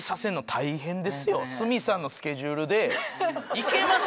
鷲見さんのスケジュールで行けます？